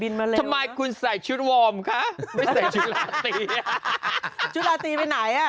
ทำไมคุณใส่ชุดวอร์มคะไม่ใส่ชุดลาตีชุดลาตีไปไหนอ่ะ